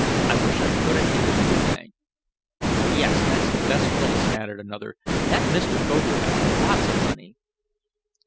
I wish I'd put it in the new bank." "Yes, that's the best place," added another. "That Mr. Foger has lots of money."